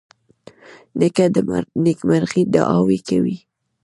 نیکه د نیکمرغۍ دعاوې کوي.